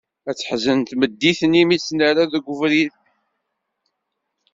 Ay teḥzen tmeddit-nni mi tt-nerra deg ubrid!